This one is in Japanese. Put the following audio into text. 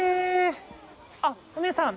あっお姉さん。